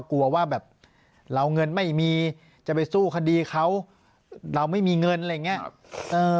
กลัวว่าแบบเราเงินไม่มีจะไปสู้คดีเขาเราไม่มีเงินอะไรอย่างนี้